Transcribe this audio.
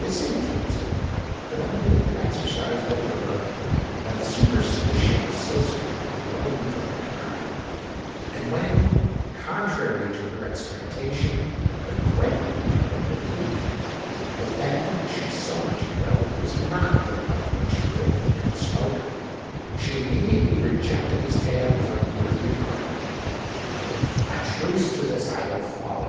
This influence, however, could only have been exercised over her by the superstition associated with her own dread crime; and when, contrary to her expectation, but greatly to her relief—the phantom she so much dreaded was not the one of which the old man spoke, she immediately rejected his tale as unworthy of credit. "A truce to this idle folly!"